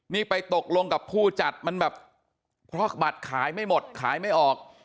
นี่ไปตกลงกับผู้จัดมันแบบเพราะบัตรขายไม่หมดขายไม่ออก